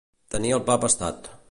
Tenir el pa pastat.